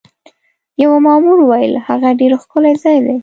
یوه مامور وویل: هغه ډېر ښکلی ځای دی.